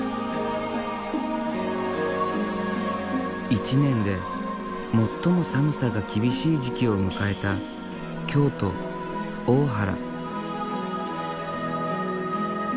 一年で最も寒さが厳しい時期を迎えた京都・大原。